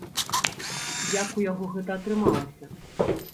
Як у яго гэта атрымалася?